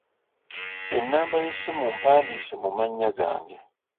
Ennamba y'essimu mpandiise mu mannya gange.